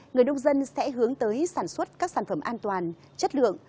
người nông dân sẽ hướng tới sản xuất các sản phẩm an toàn chất lượng